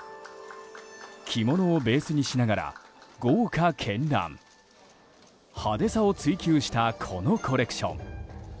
着物をベースにしながら豪華絢爛派手さを追求したこのコレクション。